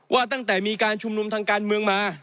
ว่าตั้งแต่มีการชุมนุมทางการเมืองมา